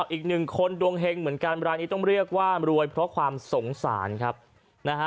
อีกหนึ่งคนดวงเฮงเหมือนกันร้านนี้ต้องเรียกว่ารวยเพราะความสงสารครับนะฮะ